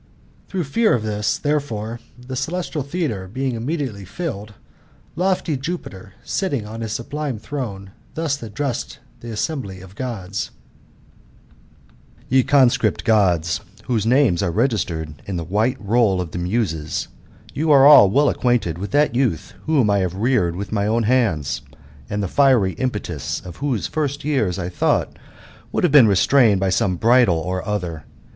Through, fear of this therefore, the celestial theatre being immediately filled, lofty Jupiter, sitting on his sublime throne, thus addressed the assembly of Gods: "Ye conscript Gods, whose names are registered in the white roll of the Muses, you are all well acquainted with that youth whom I have reared with my own hands, and the fiery impetus of whose first years I thought would have been restrained by some bridle or other.